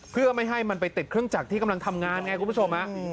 เพื่อไม่ให้มันไปติดเครื่องจักรที่กำลังทำงานไงคุณผู้ชม